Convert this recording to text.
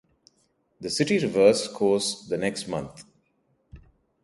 The city reversed course the next month.